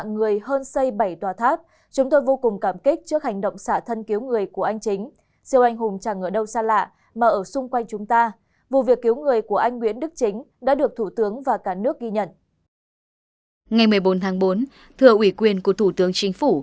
ngày một mươi bốn tháng bốn thừa ủy quyền của thủ tướng chính phủ